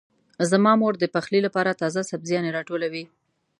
زما مور د پخلي لپاره تازه سبزيانې راټولوي.